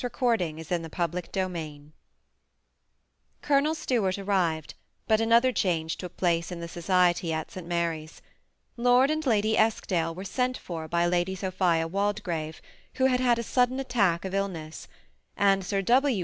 THE SEBa ATTACHED COUPLE. 131 CHAPTER XXL Colonel Stuart arrived ; but another change took place in the society at St. Mary's. Lord and Lady Eskdale were sent for by Lady Sophia Waldegrave, who had had a sudden attack of illness ; and Sir W.